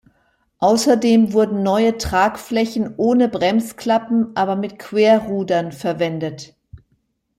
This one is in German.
Außerdem wurden neue Tragflächen ohne Bremsklappen, aber mit Querrudern verwendet.